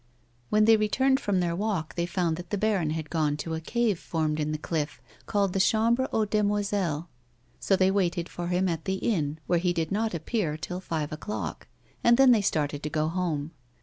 A WOMAN'S LIFE. 37 When they returned from their walK they found that the baron had gone to a cave formed in the cliff, called the Chambre aux Demoiselles, so they waited for him at the inn, where he did not appear till five o'clock, and then they started to go home.